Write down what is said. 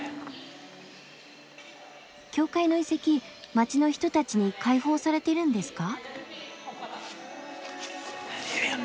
教会の遺跡街の人たちに開放されているんですか？